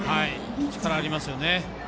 力ありますよね。